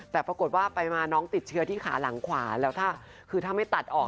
แต่ปรากฏว่าไปมาน้องติดเชื้อที่ขาหลังขวาแล้วคือถ้าไม่ตัดออก